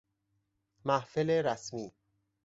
محفل رسمی